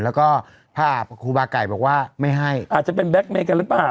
แล้วก็ภาพครูบาไก่บอกว่าไม่ให้อาจจะเป็นแก๊กเมย์กันหรือเปล่า